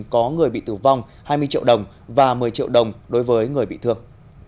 có người bị tử vong hai mươi triệu đồng và một mươi triệu đồng đối với người bị thương